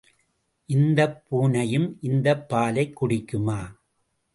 இந்தப் பூனையும் இந்தப் பாலைக் குடிக்குமா?